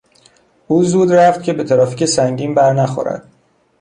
او زود رفت که به ترافیک سنگین برنخورد.